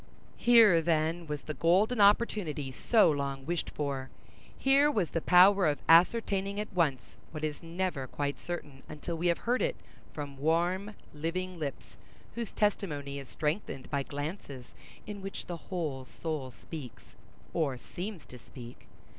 Here, then, was the golden opportunity so long wished for! Here was the power of ascertaining at once what is never quite certain until we have heard it from warm, living lips, whose testimony is strengthened by glances in which the whole soul speaks or—seems to speak.